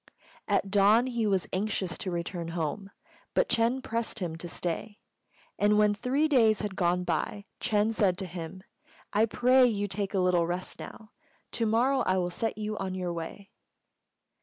At dawn he was anxious to return home, but Ch'êng pressed him to stay; and when three days had gone by Ch'êng said to him, "I pray you take a little rest now: to morrow I will set you on your way."